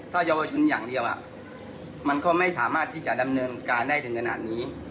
ถ้าเยาวชนอย่างเดียวมันก็ไม่สามารถที่จะดำเนินการได้ถึงขนาดนี้